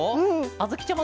あづきちゃま